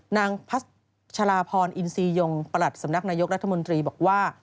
นางพัชลาพรอินซียงประหลัดสำนักนายกรัฐมนตรีบอกว่า